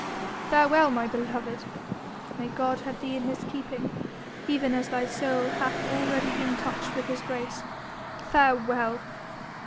"Farewell, my beloved! May God have thee in His keeping, even as thy soul hath already been touched with His grace. Farewell!